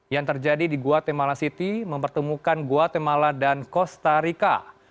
yang terjadi di guatemala city mempertemukan guatemala dan costa rica